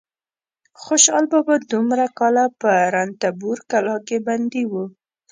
خوشحال بابا دومره کاله په رنتبور کلا کې بندي و.